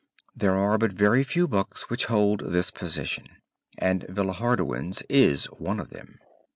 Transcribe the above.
There are but very few books which hold this position, and Villehardouin's is one of them.